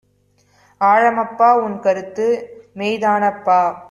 ஆழமப்பா உன்கருத்து, மெய்தானப்பா